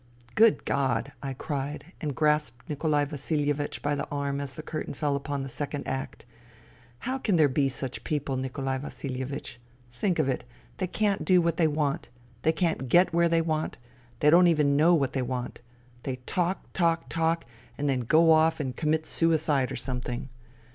" Good God !" I cried and grasped Nikolai Vasilievich by the arm as the curtain fell upon the second act. " How can there be such people, Nikolai Vasilievich ? Think of it ! They can't do what they want. They can't get where they want. They don't even know what they want. They talk, talk, talk, and then go off and commit suicide or something.